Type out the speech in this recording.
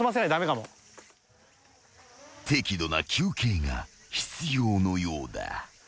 ［適度な休憩が必要のようだ］